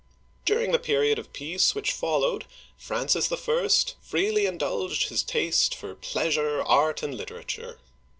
During the period of peace which followed, Francis I. freely indulged his taste for pleasure, art, and literature.